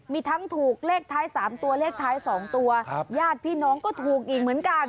มีทั้งถูกเลขท้าย๓ตัวเลขท้าย๒ตัวญาติพี่น้องก็ถูกอีกเหมือนกัน